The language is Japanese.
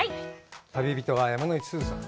旅人は山之内すずさん。